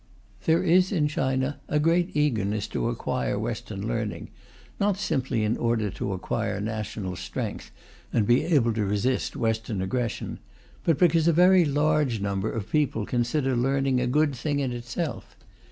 There is, in China, a great eagerness to acquire Western learning, not simply in order to acquire national strength and be able to resist Western aggression, but because a very large number of people consider learning a good thing in itself.